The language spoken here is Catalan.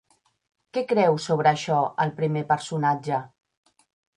Què creu sobre això el primer personatge?